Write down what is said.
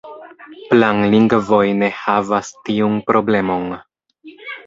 Planlingvoj ne havas tiun problemon.